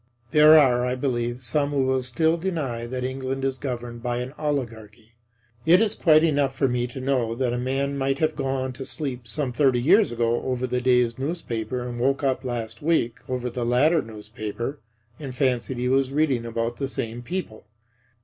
There are, I believe, some who still deny that England is governed by an oligarchy. It is quite enough for me to know that a man might have gone to sleep some thirty years ago over the day's newspaper and woke up last week over the later newspaper, and fancied he was reading about the same people.